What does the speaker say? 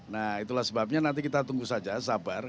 nah itulah sebabnya nanti kita tunggu saja sabar